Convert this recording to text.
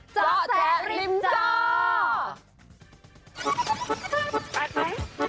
เจาะแจ๊ะริมเจาะ